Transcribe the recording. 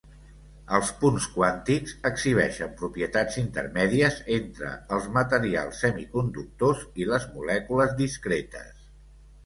Els punts quàntics exhibeixen propietats intermèdies entre els materials semiconductors i les molècules discretes.